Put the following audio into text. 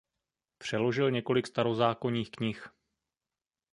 Přeložil několik starozákonních knih.